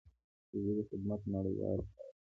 د ژبې خدمت نړیوال کار دی.